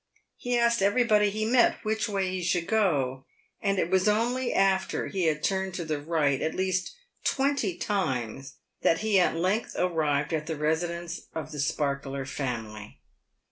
He asked everybody he met which way he should go, and it was only after he had turned to the right at least twenty times that he at length arrived at the residence of the Sparkler family.